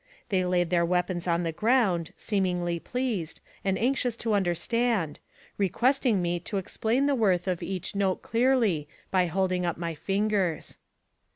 They laid their weapons on the ground, seemingly pleased, and anxious to understand, requesting me to explain the worth of each note clearly, by holding up my fingers.